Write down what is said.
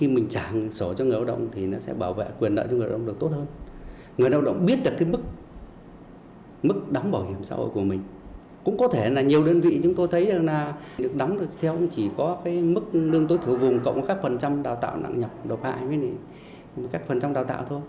mức lương tối thủ vùng cộng với các phần trăm đào tạo nặng nhập đột hại với các phần trăm đào tạo thôi